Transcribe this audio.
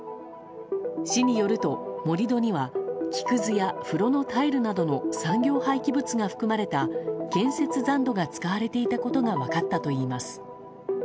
市によると、盛り土には木くずや、風呂のタイルなどの産業廃棄物が含まれた建設残土が使われていたことが分かったといいます。